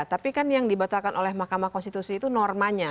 tapi kan yang dibatalkan oleh mahkamah konstitusi itu normanya